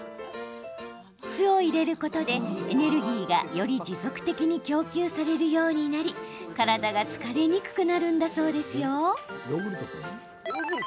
酢を入れることでエネルギーがより持続的に供給されるようになり、体が疲れにくくなるんだそうですよ。